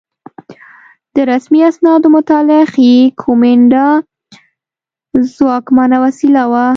د رسمي اسنادو مطالعه ښيي کومېنډا ځواکمنه وسیله وه